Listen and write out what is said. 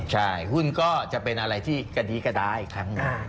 ใช่หุ้นก็จะเป็นอะไรที่กระดี้กระดาอีกครั้งหนึ่ง